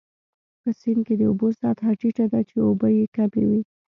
په سیند کې د اوبو سطحه ټیټه وه، چې اوبه يې کمې وې.